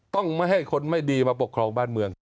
ต้องไม่ให้คนไม่ดีมาปกครองบ้านเมือง